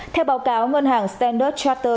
theo báo cáo ngân hàng standard charter